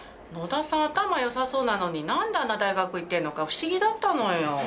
野田さん頭良さそうなのに何であんな大学行ってるのか不思議だったのよ。